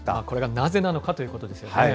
これがなぜなのかということですよね。